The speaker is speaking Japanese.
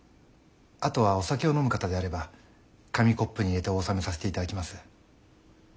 あとはお酒を飲む方であれば紙コップに入れてお納めさせていただきます。